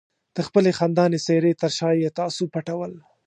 د خپلې خندانې څېرې تر شا یې تعصب پټول.